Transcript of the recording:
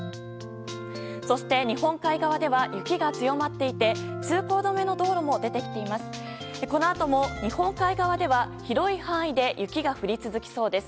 日本海側では雪が強まっていて通行止めの道路も出てきています。